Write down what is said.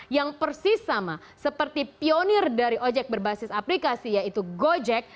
yang persis sama seperti pionir dari ojek berbasis aplikasi yaitu gojek